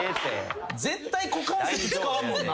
絶対股関節使わんもんな。